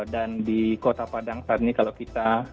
dan di kota padang saat ini kalau kita